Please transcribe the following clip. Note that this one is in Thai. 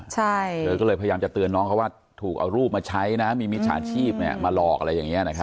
เธอก็เลยพยายามจะเตือนน้องเขาว่าถูกเอารูปมาใช้นะมีมิจฉาชีพมาหลอกอะไรอย่างนี้